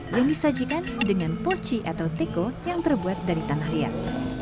yang disajikan dengan pochi atau teko yang terbuat dari tanah liat